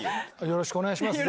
よろしくお願いします